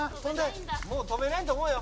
「もう飛べないと思うよ」